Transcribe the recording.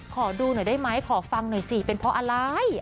ขอดูหน่อยได้ไหมขอฟังหน่อยสิเป็นเพราะอะไร